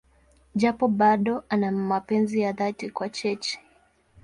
Japo bado ana mapenzi ya dhati kwa Cheche.